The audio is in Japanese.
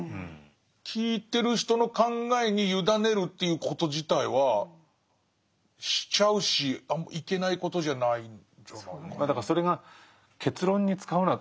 聴いてる人の考えに委ねるということ自体はしちゃうしあんまいけないことじゃないんじゃないかな。